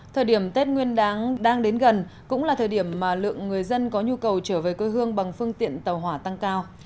thời điểm tết nguyên đáng đang đến gần cũng là thời điểm mà lượng người dân có nhu cầu trở về quê hương bằng phương tiện tàu hỏa tăng cao